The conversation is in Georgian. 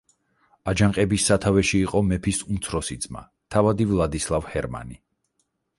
აჯანყების სათავეში იყო მეფის უმცროსი ძმა თავადი ვლადისლავ ჰერმანი.